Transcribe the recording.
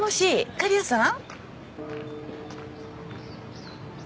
狩矢さん。